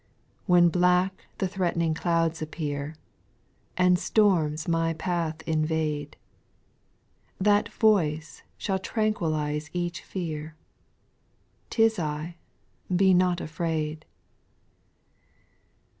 j2. When black the threat'ning clouds appear, And storms my path invade. That voice shall tranquil ize each fear, " 'T is I, be not afraid."